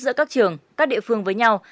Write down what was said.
giữa các trường các địa phương với nhau